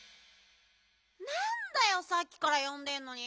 なんだよさっきからよんでんのに。